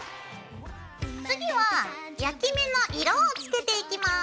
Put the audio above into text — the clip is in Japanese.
次は焼き目の色をつけていきます。